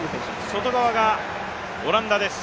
外側がオランダです。